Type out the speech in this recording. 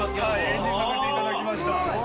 演じさせていただきました。